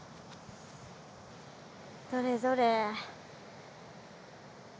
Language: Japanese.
どれどれ。